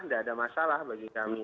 tidak ada masalah bagi kami